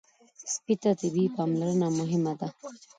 سپي ته طبي پاملرنه مهمه ده.